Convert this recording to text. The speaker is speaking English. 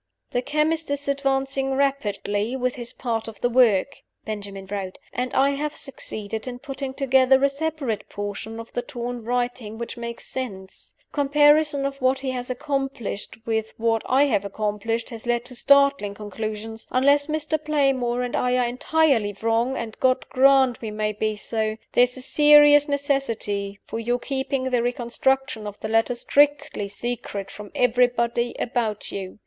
"The chemist is advancing rapidly with his part of the work" (Benjamin wrote); "and I have succeeded in putting together a separate portion of the torn writing which makes sense. Comparison of what he has accomplished with what I have accomplished has led to startling conclusions. Unless Mr. Playmore and I are entirely wrong (and God grant we may be so!), there is a serious necessity for your keeping the reconstruction of the letter strictly secret from everybody about you.